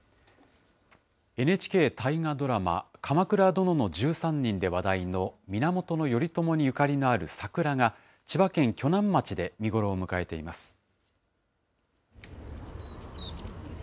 ＮＨＫ大河ドラマ、鎌倉殿の１３人で話題の源頼朝にゆかりのある桜が、千葉県鋸南町で見頃を迎えています。